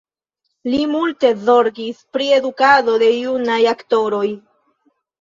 Li multe zorgis pri edukado de junaj aktoroj.